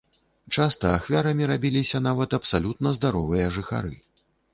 Часта ахвярамі рабіліся нават абсалютна здаровыя жыхары.